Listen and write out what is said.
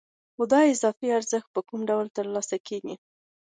خو دا اضافي ارزښت په کوم ډول ترلاسه کېږي